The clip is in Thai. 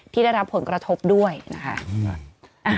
ที่ได้รับผลกระทบด้วยนะคะ